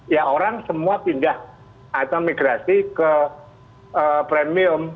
ya orang semua pindah atau migrasi ke premium